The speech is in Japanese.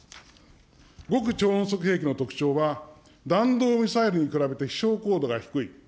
極超音速兵器の特徴は、弾道ミサイルに比べて飛しょう高度が低い。